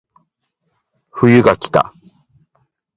冬がきた